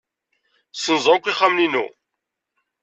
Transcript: Ssenzeɣ akk ixxamen-inu.